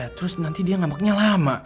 ini ya terus nanti dia ngamuknya lama